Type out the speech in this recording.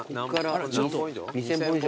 ２，０００本以上。